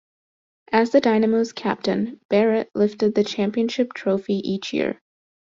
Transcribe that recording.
As the Dynamo's captain, Barrett lifted the championship trophy each year.